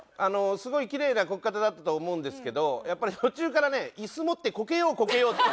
すごいキレイなコケ方だったと思うんですけどやっぱり途中からね椅子持ってコケようコケようっていう。